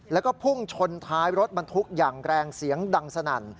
แล้วก็พุ่งชนท้ายรถบรรทุกอย่างแรงเสียงดังสนั่น